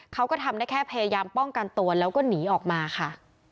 เขาก็ทำได้แค่พยายามป้องกันตัวแล้วก็หนีออกมาค่ะ